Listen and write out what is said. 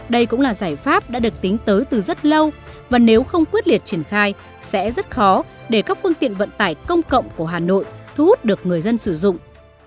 đây cũng là giải pháp đã được tính tới từ rất lâu và nếu không quyết liệt triển khai sẽ rất khó để các phương tiện vận tải công cộng của hà nội thu hút được người dân sử dụng